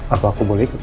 aku aku boleh ikut